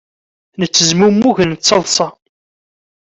Nettezmumug nettaḍsa.